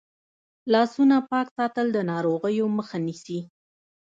لاسونه پاک ساتل د ناروغیو مخه نیسي.